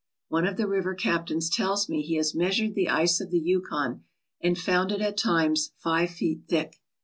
One of the river captains tells me he has measured the ice of the Yukon and found it at times five feet thick.